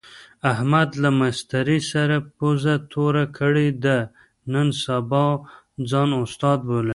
احمد له مستري سره پوزه توره کړې ده، نن سبا ځان استاد بولي.